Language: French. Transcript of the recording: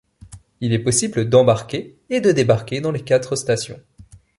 Il est possible d'embarquer et de débarquer dans les quatre stations.